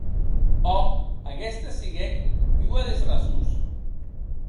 Òc, aguesta siguec ua des rasons.